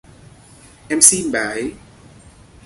Em xin bà ấy